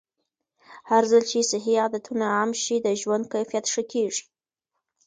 هرځل چې صحي عادتونه عام شي، د ژوند کیفیت ښه کېږي.